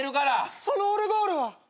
そのオルゴールは。えっ？